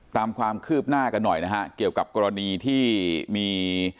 ตามความคืบหน้ากันหน่อยนะฮะเกี่ยวกับกรณีที่มี